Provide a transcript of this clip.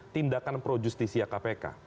tindakan projustisia kpk